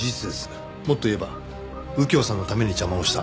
もっと言えば右京さんのために邪魔をした。